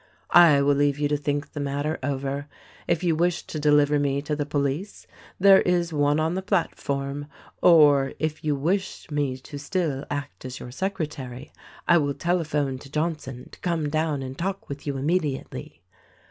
I will leave you to think the matter over. If you wish to deliver me to the police, there is one on the platform ; or if you wish me to still act as your secretary I will telephone to Johnson to come down and talk with you immediately.